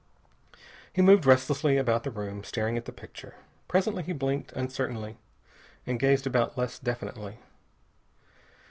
He moved restlessly about the room, staring at the picture. Presently he blinked uncertainly and gazed about less definitely.